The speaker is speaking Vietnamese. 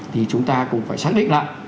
thì chúng ta cũng phải xác định lại